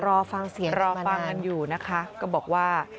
รอฟังเสียงมานานรอฟังอยู่นะคะก็บอกว่า